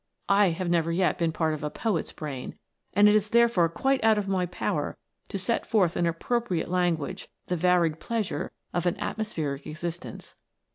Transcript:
I have never yet been a part of a poet's brain, and it is therefore quite out of my power to set forth in appropriate language the varied pleasures of an at mospheric existence.